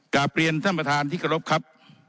กราบเรียนท่านประธานธิกรรมครับ